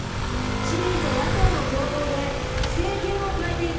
市民と野党の共闘で政権をかえていく。